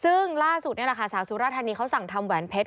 ซึ่งล่าสุดสาวสุราธารณีเขาสั่งทำแหวนเพชร